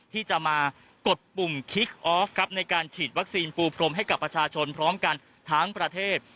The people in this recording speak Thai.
ที่จะมากดปุ่มคิกออฟครับในการฉีดวัคซีนปูพรมให้กับประชาชนพร้อมกันทั้งประเทศ